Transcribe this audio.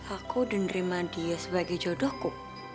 aku udah nerima dia sebagai jodohku